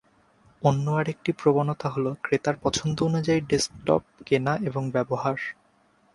অন্য আরেকটি প্রবণতা হল, ক্রেতার পছন্দ অনুযায়ী ডেস্কটপ কেনা এবং ব্যবহার।